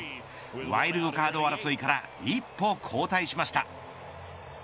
ワイルドカード争いから一歩後退しました。